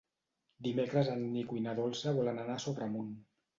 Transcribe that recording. Dimecres en Nico i na Dolça volen anar a Sobremunt.